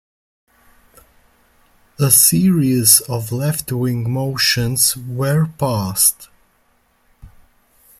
A series of left-wing motions were passed.